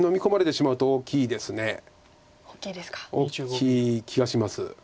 大きい気がします。